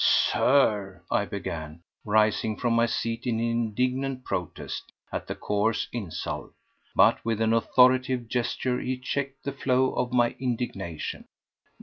"Sir—!" I began, rising from my seat in indignant protest at the coarse insult. But with an authoritative gesture he checked the flow of my indignation.